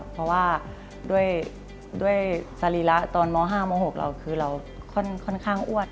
เพราะว่าด้วยสรีระตอนม๕ม๖เราคือเราค่อนข้างอ้วน